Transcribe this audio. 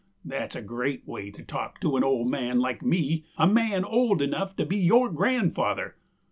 That's a great way to talk to an old man like me, a man old enough to be your grandfather.